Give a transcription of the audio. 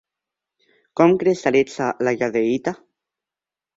Com cristal·litza la jadeïta?